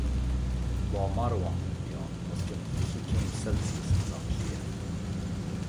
Lá marbhánta a bhí ann, os cionn fiche céim celsius i mBaile Átha Cliath.